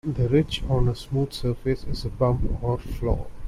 A ridge on a smooth surface is a bump or flaw.